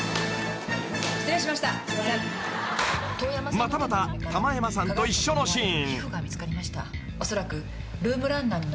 ［またまた玉山さんと一緒のシーン］